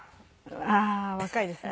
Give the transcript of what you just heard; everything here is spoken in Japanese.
ああ若いですね。